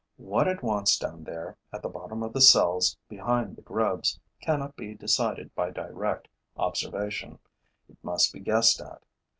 What it wants down there, at the bottom of the cells, behind the grubs, cannot be decided by direct observation; it must be guessed at.